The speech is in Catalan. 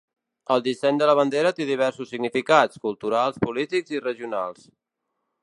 El disseny de la bandera té diversos significats, culturals, polítics i regionals.